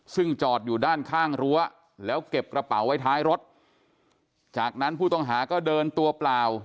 ซึ่งจอดอยู่ด้านข้างรั้วแล้วเก็บกระเป๋าไว้ท้ายรถจากนั้นผู้ต้องหาก็เดินตัวเปล่า